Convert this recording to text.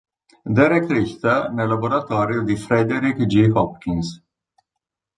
Derek Richter nel laboratorio di Frederick G. Hopkins.